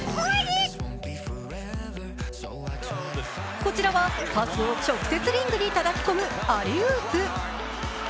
こちらはパスを直接リングにたたき込むアリウープ。